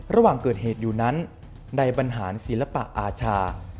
ระหว่างเกิดเหตุอยู่นั้นในบรรหารศิลปะอาชา